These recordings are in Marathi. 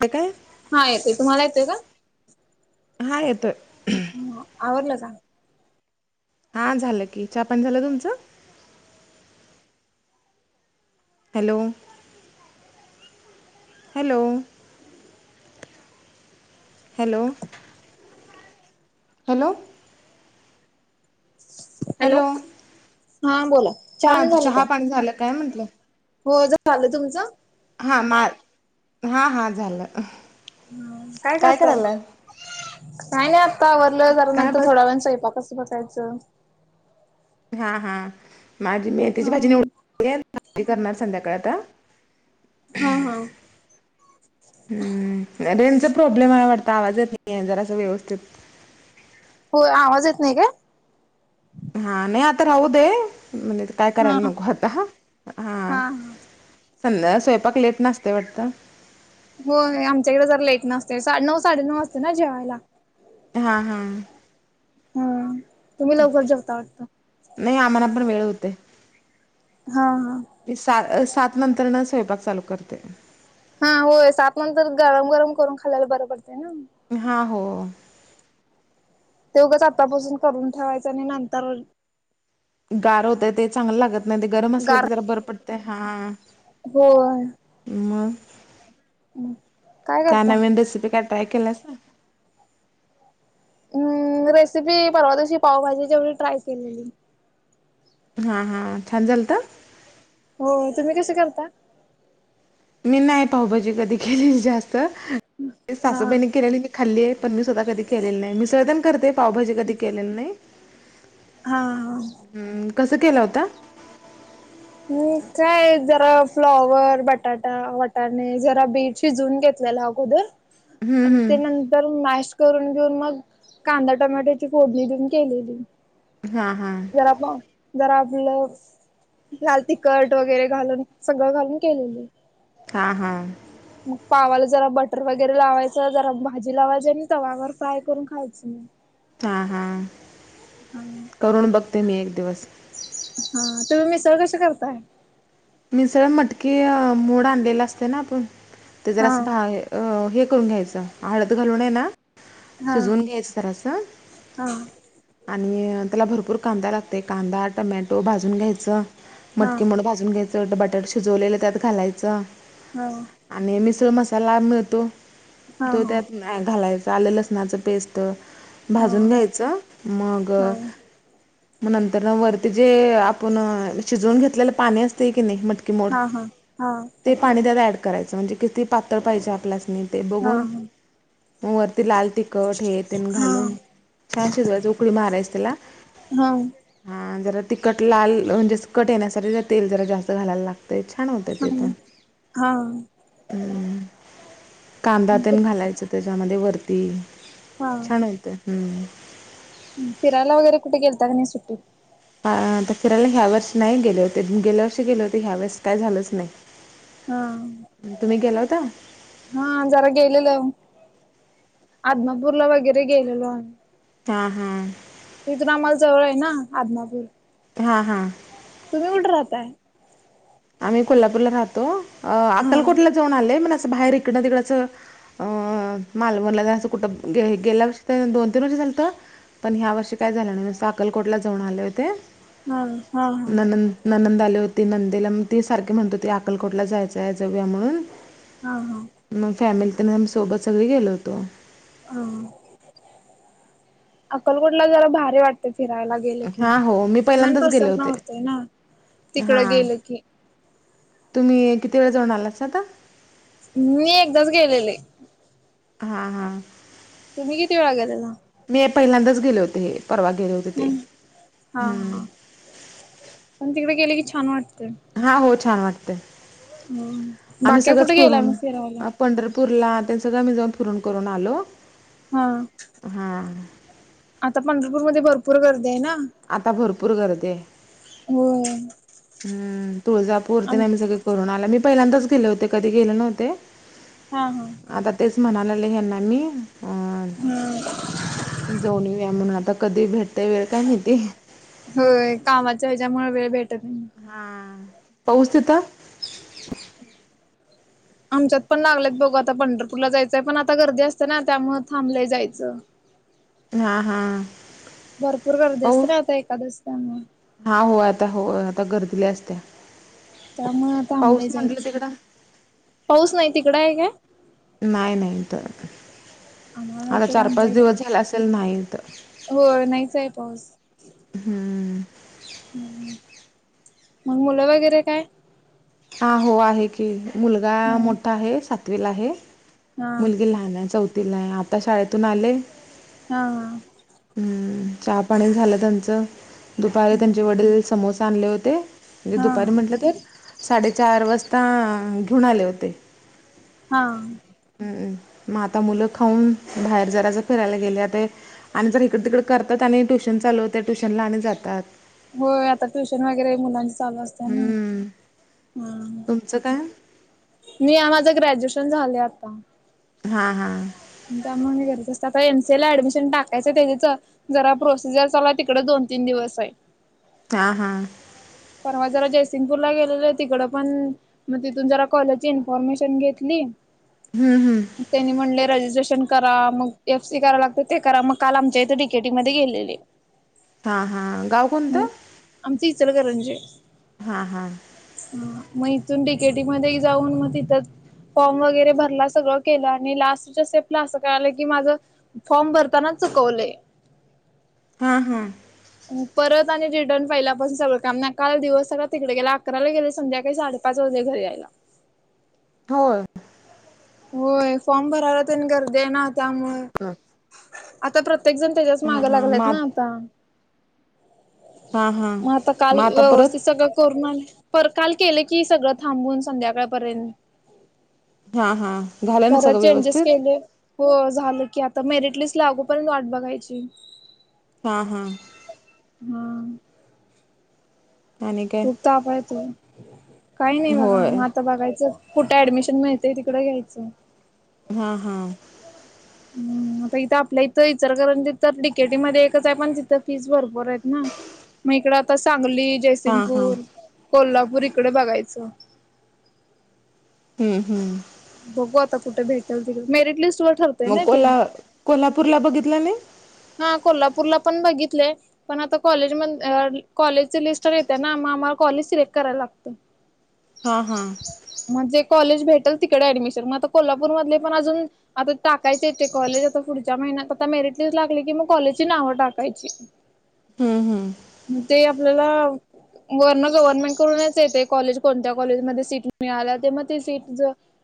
ते काय. हा येतय तुम्हाला येतेय का. हा येतोय. ह आर्ला जाांग. हा झालं की हा पण झालं तुमचं. Hello. Hello. Hello. Hello. Hello हा बोला हा न आता झालं का? चहा पाणी झालं काय म्हंटलं. हो ज झालं तुमचं. हा म हा हा झालं. हम काय करतय. का नाही आत्ता आवरलं जरा काय नंतर बस थोड्या वेळा स्वयपाक कसं बघायचं. हा हा माझी हा मेहथीची भाजी निवड भाजी करणार संध्याकाळ आता. हा हम. ह् रेनचा प्रॉब्लेम आहे वाटत आवाज येत नाहीये जरा अस व्यवस्थित. हो आवाज येत नाही का. हा न नाही आतार हौ दे. म्हणजे काय हा करायला नको हा आता हां हां. हा. संध्या सवंपाक लेट ना असते वाटत. हो आमच्याकडे जर लेट नसते साडे नऊ साडे नऊ असते ना जेवायला. हा हा. हा तुम्ही लवकर जेवता वाटता. नाही आम्हाला पण वेळ होते. हा हा. ी सात नंतर न स्वयंपाक चालू करते. हा होय सात नंतर गरम गरम करून खालायला बरं पडतय ना. हा हो. तेवगंच आतापासून करून ठेवायचं आणि नंतर. गार होतय ते चांगलं लागत नाही ते गरम असले गार की जरा बरं पडतय हा. होय मग काय का करता नवीन रेसिपी काय ट्राय केलास. हम् रेसिपी परवा दिवशी पावभाजी जेवढी ट्राय केलेली. हा हा छान झाल तर. हो तुम्ही कस करता. मी नाही पाहबाजी कधी केली जास्त हा हा सासूबाईने केलेली. खाल्ली आहे पण मी स्वतः कधी केलेलं नाही मिसळजन करते पावभाजी कधी केलेलं नाही. हा हम् कसं केलं होता. हम् काय जरा फ्लॉवर बटाटा वटाणे जरा बीट. शिजून घेतलेलं अगोदर. हम्म ते हम्म नंतर मॅश करून घेऊन मग कांदा टमॅट्याची फोडणी देऊन केलेली. हा हा. जरा आपण जरा आपलं. लाल तिखट वगैरे घालून सगळं घालून केलेली. हां हां. मग पावाला जरा बटर वगैरे लावायचं जरा भाजी लावायची आणि तवावर फ्राय करून खायचं मी. हा हा. हम्. करून बघते मी एक दिवस. हा तुम्ही मिसळ कशी करताय. मिसळ मटकीे मोड आणलेलं असतंय ना आपण ते हा जरासं भा हे करून घ्यायचं हळद घालून आहे ना. हा शिजवून घ्यायचं जरासं. हा आणि त्याला भरपूर कांदा लागतंय कांदा टमॅटो भाजून घ्यायचं हा मटकी मोड भाज जुन घ्यायचं बटाट शिजवलेलं त्यात घालायचं. हा आणि मिसळ मसाला मिळतो हा तो हो त्यात घालायचा आलं लसणाचं पेस्ट हो भाजून घ्यायचं मग. हो मग नंतरन वरती जे आपण शिजवून घेतलेलं पाणी असतंय की नाही मट हा हा हा. ते पाणी त्यात ऍड करायचं म्हणजे किती पातळ पाहिजे आपल्यासनी. ते हा बघून ह मग वरती लाल तिखट हे तेन हा घालून. छान शिजवायचं उकळी मारायचं त्याला. हा हा जरा तिखट लाल म्हणजे अस कट येण्यासाठी तेल जरा जास्त घालायला लागत. ते छान होतंय ते पण. ह हा हम्म कांदा तेन घालायचं त्याच्यामध्ये वरती. हा छान होतंय हम्म. फिरायला वगैरे कुठे गेलता की नाही सुट्टीत. हा आता फिरायला ह्या वर्षी नाही गेलो गेल्या वर्षी गेले होते ह्या वर्षी काय झालंच नाही. हा तुम्ही गेला होता हा जरा गेलेलो आदमापूरला वगैरे गेलेलो आम्ही. हा हा तिथून आम्हाला जवळ आहे ना आदमापूर हा हा तुम्ही कुठं राहताय आम्ही कोल्हापूरला राहतो अ हा अक्कलकोटला जाऊन आले पण असं बाहेर इकडनं तिकडच अं मालवनला असं कुठं गेल्या वर् दोन तीन वर्षी झालतं पण ह्या वर्षी काय झालं नाही नुसतं अक्कलकोटलाच जाऊन आले होते हा हा हा नणंद नणंद आली होती नंदेला ती सारखी म्हणत होती अक्कलकोटला जायचं हाय जाऊया म्हणून हा हा मग फॅमिली तेन आम्ही सोबत सगळी गेलो होतो ह अक्कलकोटला जरा भारी वाटतंय फिरायला गेलं की हां हो मी पहिल्यांदाच गेले मनप्रसन्न होते होतंय ना तिकड हां गेलं की तुम्ही किती वेळा जाऊन आलासा आता मी एकदाच गेलेले हा हा तुम्ही किती वेळा गेलेला मी पहिल्यांदाच गेले होते हे परवा गेले होते ते हम् हा हम्म हा पण तिकडं गेलं की छान वाटतंय हा हो छान वाटतंय हम आम्ही बाकी सगळंच कुठे गेलाय करून मग फिरायला पंढरपूरला तेन सगळं मी जाऊन फिरून करून आलो हा हा आता पंढरपूरमध्ये भरपूर गर्दी आहे ना आता भरपूर गर्दी आहे हो हम्म तुळजापूर तेन आम्ही सगळे करून आलं मी पहिल्यांदाच गेले होते कधी गेले नव्हते हा हा आता तेच म्हणालेले ना हेना मी अ हा ह जाऊन येऊया म्हणून, आता कधी भेटतय वेळ काय माहिती होय कामाच्या हच्यामुळे वेळ भेटत नाही हा पाऊस तिथं आमच्यात पण लागलेत बघू आता पंढरपूरला जायचंय पण आता गर्दी असतें ना त्यामुळं थांबलंय जायचं हा हा भरपूर गर्दी असते पाऊस ना आता एकादस त्यामुळे हा हो आता हो आता गर्दील्या लई असतीया तर मग थांबलं जायचं तिकडं पाऊस नाही तिकड हाय काय नाही नाही इथं आम्हाला आता इकडं चार पाच आमच्या दिवस इकडे झाला असेल नाही इथं हो नाहीच आहे पाऊस मग मुलं वगैरे काय हा हो आहे की मुलगा हा मोठा आहे सातवीला आहे हा मुलगी लहान आहे चौथीला आहे आता शाळेतून आले हा हम्म चहा पाणी झालं त्यांचं दुपारी त्यांचे वडील समोसा आणले होते म्हणजे हा दुपारी म्हटलं तर साडेचार वाजता घेऊन आले होते हा हम्म मग आता मुलं खाऊन बाहेर जराच फिरायला गेले ते आणि जर इकडं तिकडे करतात आणि ट्यूशन चालू होतंय ट्यूशनला आणि जातात होय आता ट्युशन वगैरे मुलांच चालू असते ना हम्म ह तुमचं काय मी माझं ग्रॅज्युएशन झालं आता हा हा त्यामुळे हे गरज असत आता एमसीए ला ऍडमिशन टाकायचं त्याच्याचं जरा प्रोसिजर चाला तिकडे दोन तीन दिवस आहे हा हा परवा जरा जयसिंगपूरला गेलेलं तिकडं पण मग तिथून जरा कॉलेजची इन्फॉर्मेशन घेतली हम्म हम् ग त्यांनी म्हणले रजिस्ट्रेशन करा मग एफ सी कराव लागतं ते करा मग काल आमच्या इथे डीकेटीइ मध्ये गेलेले हा हा गाव कोणतं आमचं इचलकरंजी हा हा ह मग इथून डीकेटीइ मध्ये जाऊन मग तिथंच फॉर्म वगैरे भरला सगळं केलं आणि लास्टच्या स्टेपला असं कळालं की माझ फॉर्म भरताना चुकवले हां हां परत आणि रिटर्न पहिल्यापासून सगळं काम न काल दिवस सगळ तिकडे गेला अकराला गेले संध्याकाळी साडे पाच वाज घरी यायला हो होय फॉर्म भरायला त्यांनी गर्दी आहे ना त्यामुळे हा आता प्रत्येक जण त्याच्याच मागं हा लागलात मा ना आता हा हा मग आता काल आता परत व्यवस्थित सगळं करून आले पर काल केलं की सगळं थांबून संध्याकाळपर्यंत हा हा झालं ना परत सगळं चेंजेस व्यवस्थित केले हो झालं की आता मेरिट लिस्ट ला अगोपर्यंत वाट बघायची हा हा हम आणि काय खूप ताप आहे तो काही नाही बघा होय ह आता बघायचं कुठे ऍडमिशन मिळतंय य तिकं घ्यायचं हां हां हम्म आता इथं आपल्या इथं इचार कर तर तिकेटीमध्ये एकच आहे पण तिथं फीस भरपूर आहेत ना मग इकड आता सांगली हा हा जयसिंगपूर कोल्हापूर इकडे बघायचं हम्म हम्म बघू आता कुठे भेटेल त मेरिट लिस्टर ठरत मग कोल्हा कोल्हापूरला बघितला नाही हा कोल्हापूरला पण बघितलंय पण आता कॉलेज म कॉलेजचे लिस्ट येत आहे ना आम्हाला कॉलेज सिलेक्ट करायला लागतं हा हा म्हणजे कॉलेज भेटेल तिकडे ऍडमिशन मग आता कोल्हापूर मधले पण अजून आता टाकायच येते कॉलेज आता पुढच्या महिन्यात आता मेरिट लिस्ट लागली की मग कॉलेजची नावं टाकायची ह हम्म हम् मग ते आपल्याला वरण गव्हर्नमेंट करूनच येते कॉलेज कोणत्या कॉलेजमध्येध्ये सीट मिळाल्या ते मग ते सीट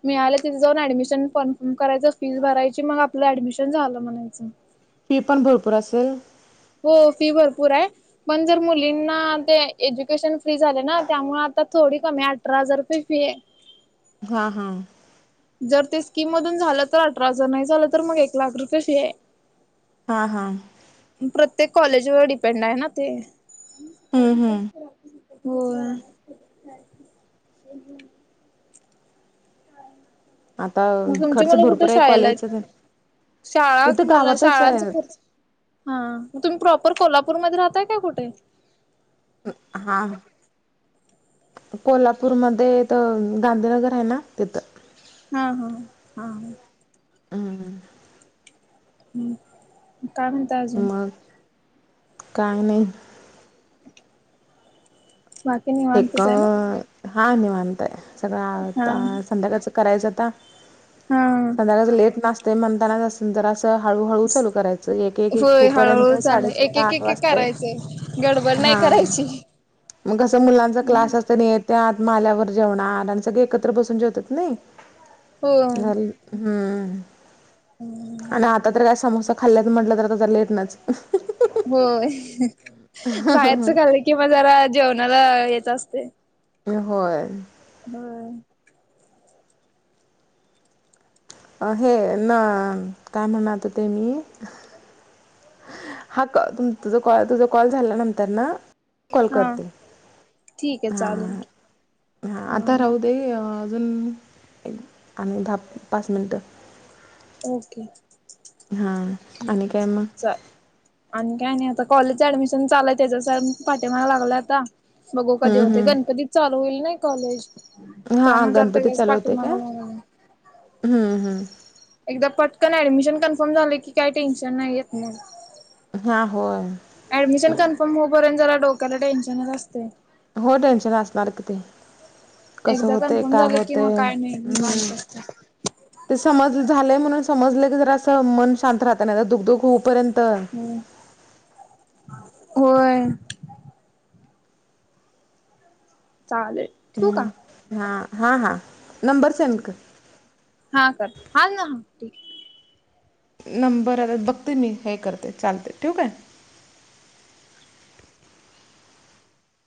मिीळालं तिथे जाऊन ऍडमिशन कन्फर्म करायचं फीस भरायची मग आपलं ऍडमिशन झालं म्हणायचं फी पण भरपूर असेल हो फी भरपूर आहे पण जर मुलींना ते एज्युकेशन फ्री झाले ना त्यामुळे आता थोडी कमी अठरा हजार रुपये फी आहे हा हा. जर ते स्कीम मधून झालं तर अठरा हजार नाही झालं तर मग एक लाख रुपये फी आहे. हा हा. प्रत्येक कॉलेज वर डिपेंड आहे ना ते. हम्म हम्म होय. आता मग तुमची खर्च मुलं कुठे भरपूर आहे शाळेला कॉलेजचा आहेत? शाळा एक इथं मुलं गावातच शाळांचा आहे खर्च हा मग तुम्ही प्रॉपर कोल्हापूरमध्ये राहताय काय कुठे? हा. कोल्हापूरमध्ये इथं गांधीनगर आहे ना तिथं. हा हा हा ह. हम हं. हं काय म्हणता अजून. मग काय नाई. वा एक हा निवांतय सगळं हा आ संध्याकाळच करायचं आता. हा संध्याकाळच लेटन असतयं म्हणताना त्यास जरा हळूहळू चालू करायचं एक एक एक होय होपर्यंत हळूहळू चालू एक साडेसात एक आठ एक एक वाजतयं. करायचंय गडबड नाय करायची. मग कस मुलांचा क्लास असतोय म त्यंनी येत्यात म आल्यावर जेवणार आणि सगळे एकत्र बसून जेवतात नाही. हो झाल हम्म आणि आता तर काय समोसा खाल्ल्याचं म्हटलं तर आता जरा लेटनचं अ हं. होय बाहेरच खाल्लं कि म जरा जेवणाला हेच असतयं. होय. हम्म. अ हे ना काय म्हणयलतो ते मी हा कॉ तुझ कॉल तुझा कॉल झाल्यानंतरन कॉल हा करते. ठीक आहे हा चालेल हा हा आता राहू दे अजून आणि दहाप पाच मिनटं. ओके हां ठीक आहे आणि काय चल मग चाल. आणि काय नाही आता कॉलेजचं ऍडमिशन चालूय त्याच्याच पाठिमाग लागलोय आता. बघू कधी हम्म होतंय हम्म गणपतीत चालू होईल नाही कॉलेज. त्यामुळं हां जरा गणपती त्याच्याच चालू होते पाठीमाग काय लागलोय. हम्म हम. एकदा पटकन ऍडमिशन कन्फर्म झालं की काय टेन्शन नाही येत मग. हा होय. ऍडमिशन कन्फर्म होऊपर्यंत जरा डोक्याला टेन्शनंच असतय. हो टेन्शन असणार कि ते. कसं एकदा होतंय कन्फर्म काय झालं की मग होतंय काय नाही निवांत हम्म. असतय ते समज झालंय म्हणून समजलं की जरासं मन शांत राहतय नाही तर दूक दूक होऊपर्यंत अ होय. चालेल. ठेवू म का? हा हा हा नंबर सेंड कर. हा कर हा ना ठीक आहे. नंबर आता बघते मी हे करते चालतंय ठेऊ काय?